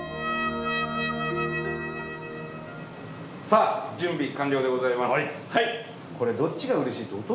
さあ準備完了でございます。